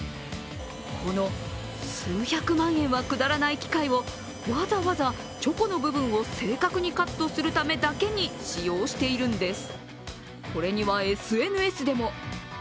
この数百万円は下らない機械をわざわざチョコの部分を正確にカットするためだけに使用しているんです。